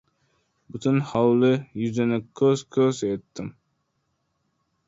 Butun hovli yuzini ko‘z-ko‘z etdim.